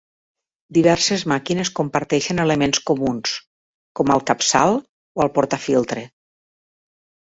Diverses màquines comparteixen elements comuns, com el capçal o el portafiltre.